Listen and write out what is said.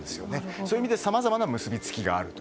そういう意味でさまざまな結びつきがあると。